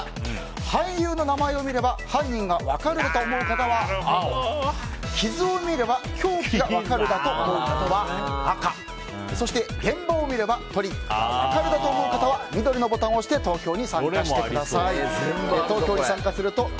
俳優の名前を見れば犯人が分かると思う人は青傷を見れば凶器が分かると思う人は赤現場を見ればトリックが分かると思う方は緑のボタンを押して行きつけ教えます！